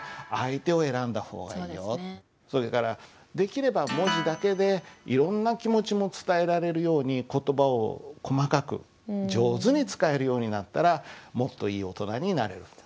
それからできれば文字だけでいろんな気持ちも伝えられるように言葉を細かく上手に使えるようになったらもっといい大人になれると。